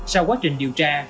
sau quá trình điều tra